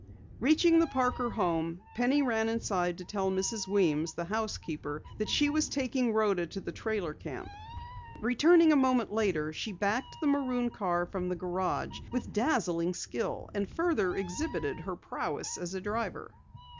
Reaching the Parker home, Penny ran inside to tell Mrs. Weems, the housekeeper, that she was taking Rhoda to the trailer camp. Returning a moment later, she backed the maroon car from the garage with dazzling skill and further exhibited her prowess as a driver.